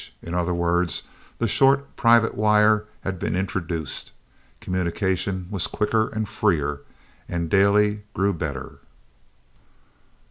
In other words, the short private wire had been introduced. Communication was quicker and freer, and daily grew better.